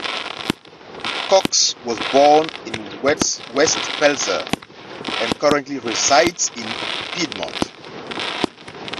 Cox was born in West Pelzer and currently resides in Piedmont.